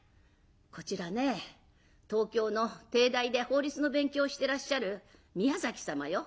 「こちらね東京の帝大で法律の勉強をしてらっしゃる宮崎様よ。